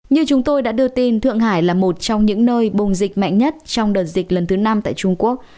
như chúng tôi đã đưa tin thượng hải là một trong những nơi bùng dịch mạnh nhất trong đợt dịch lần thứ năm tại trung quốc